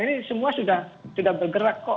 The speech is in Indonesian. ini semua sudah bergerak